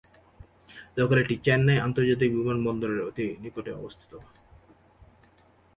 লোকালয়টি চেন্নাই আন্তর্জাতিক বিমানবন্দরের অতি নিকটে অবস্থিত।